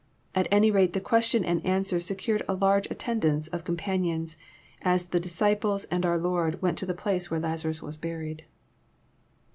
At any rate the question and answer secured a large attendance of companions, as the disciples and our Lord went to the place where Lazarus was buried.